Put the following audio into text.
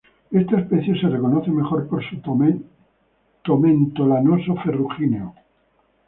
Esta especie se reconoce mejor por su tomento lanoso-ferrugíneo.